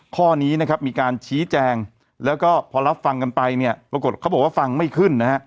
ข้อนี้มีการชี้แจงแล้วก็พอรับฟังกันไปปรากฏเขาบอกว่าฟังไม่ขึ้น